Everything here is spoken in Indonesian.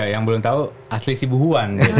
yang belum tahu asli sibuhuan